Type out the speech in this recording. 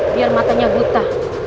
biar matanya buta